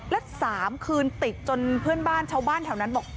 และ๓คืนติดจนเพื่อนบ้านชาวบ้านแถวนั้นบอก